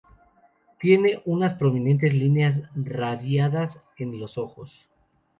Tiene unas prominentes líneas radiadas en los ojos.